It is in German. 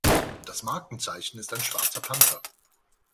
Das Markenzeichen ist ein schwarzer Panther.